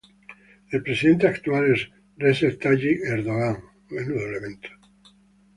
El Presidente actual es Recep Tayyip Erdoğan.